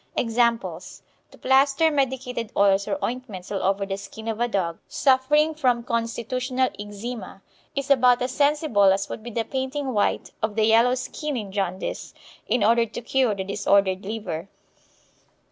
Examples: To plaster medicated oils or ointments all over the skin of a dog suffering from constitutional eczema is about as sensible as would be the painting white of the yellow skin in jaundice in order to cure the disordered liver.